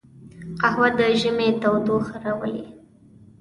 قهوه د ژمي تودوخه راولي